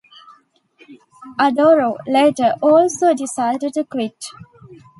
Adoro, later, also decided to quit.